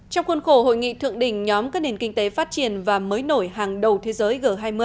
trong khuôn khổ hội nghị thượng đỉnh nhóm các nền kinh tế phát triển và mới nổi hàng đầu thế giới g hai mươi